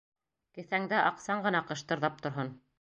Кеҫәңдә аҡсаң ғына ҡыштырҙап торһон.